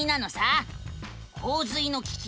「洪水の危機！